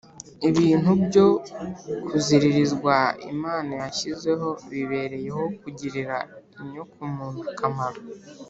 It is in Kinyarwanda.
” ibintu byo kuziririzwa imana yashyizeho bibereyeho kugirira inyokomuntu akamaro